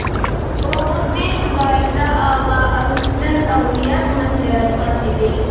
ئوغۇزنى خۇدايىتائالا ئانىسىدىن ئەۋلىيا قىلىپ ياراتقان ئىدى.